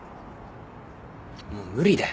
もう無理だよ。